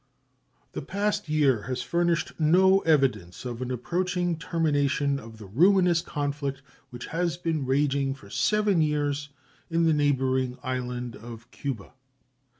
The past year has furnished no evidence of an approaching termination of the ruinous conflict which has been raging for seven years in the neighboring island of Cuba.